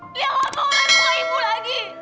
lian gak mau ke rumah mau ibu lagi